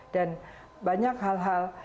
dan banyak hal hal